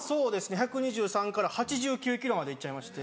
１２３ｋｇから８９ｋｇまで行っちゃいまして。